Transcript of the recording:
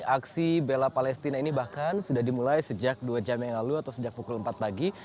aksi bela palestina ini bahkan sudah dimulai sejak dua jam yang lalu atau sejak pukul empat pagi